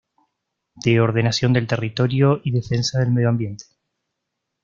De Ordenación del Territorio y Defensa del Medio Ambiente.